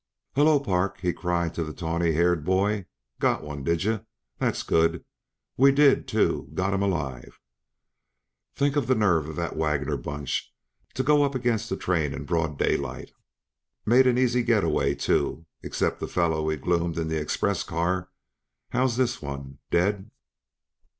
"Hello, Park," he cried to the tawny haired boy. "Got one, did yuh? That's good. We did, too got him alive. Think uh the nerve uh that Wagner bunch! to go up against a train in broad daylight. Made an easy getaway, too, except the feller we gloomed in the express car. How's this one? Dead?"